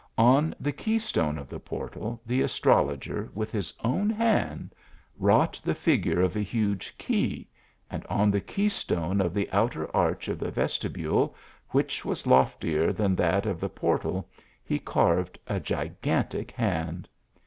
On the key stone of the portal the astrologer, with his own hand, wrought the figure of a huge key, and on the key stone of the outer arch of the vestibule, which was loftier than that of the portal, he carved a gigantic hand.